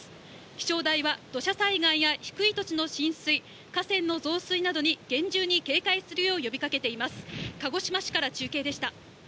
気象台は、土砂災害や低い土地の浸水、河川の増水などに厳重に警戒するよう呼びかけています。